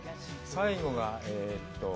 最後が、えっと。